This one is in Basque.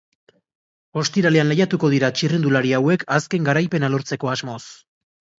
Ostiralean lehiatuko dira txirrindulari hauek azken garaipena lortzeko asmoz.